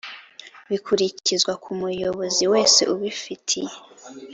bikurikizwa ku muyobozi wese ubifitiye